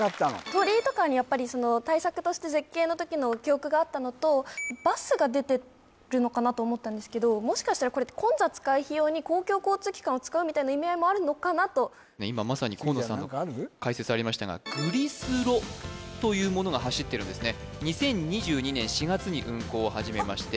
鳥居とかにやっぱり対策として絶景の時の記憶があったのとバスが出てるのかなと思ったんですけどもしかしたらこれってみたいな意味合いもあるのかなと今まさに河野さんの解説ありましたがグリスロというものが走ってるんですね